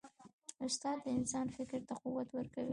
استاد د انسان فکر ته قوت ورکوي.